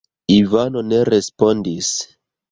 Ivano ne respondis.